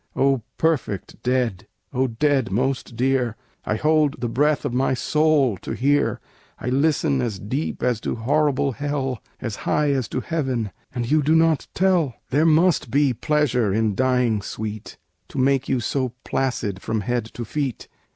"O perfect dead! O dead most dear! I hold the breath of my soul to hear. "I listen as deep as to horrible hell, As high as to heaven, and you do not tell. "There must be pleasure in dying, sweet, To make you so placid from head to feet!